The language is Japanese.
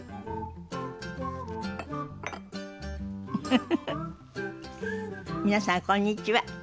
フフフフ皆さんこんにちは。